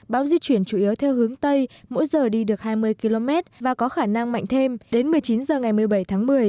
bão di chuyển chủ yếu theo hướng tây mỗi giờ đi được hai mươi km và có khả năng mạnh thêm đến một mươi chín h ngày một mươi bảy tháng một mươi